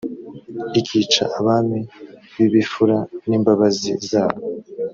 ikica abami bibifura nimbabazi zabo